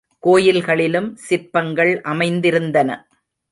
கோயில்களிலும், சிற்பங்கள் அமைந்திருந்தன.